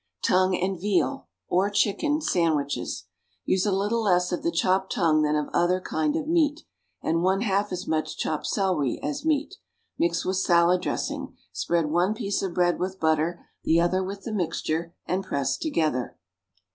=Tongue and Veal (or Chicken) Sandwiches.= Use a little less of the chopped tongue than of the other kind of meat, and one half as much chopped celery as meat. Mix with salad dressing. Spread one piece of bread with butter, the other with the mixture, and press together.